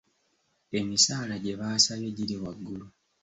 Emisaala gyebaasabye giri waggulu.